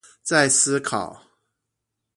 再思考